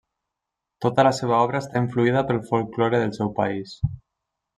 Tota la seva obra està influïda pel folklore del seu país.